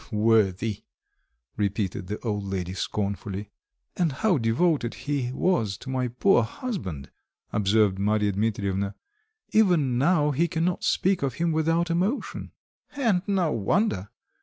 "Worthy!" repeated the old lady scornfully. "And how devoted he was to my poor husband!" observed Marya Dmitrievna; "even now he cannot speak of him without emotion." "And no wonder!